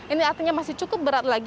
ini artinya masih cukup berat lagi